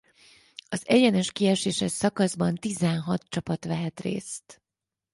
Az egyenes kieséses szakaszban tizenhat csapat vehet részt.